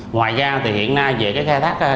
ngoài ra thì hiện nay về cái khai thác tát trái phép